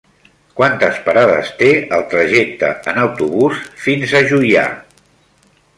Quantes parades té el trajecte en autobús fins a Juià?